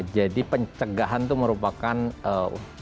jadi pencegahan itu merupakan senjata utamaku